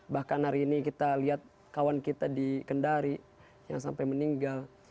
bahkan hari ini kita lihat kawan kita di kendari yang sampai meninggal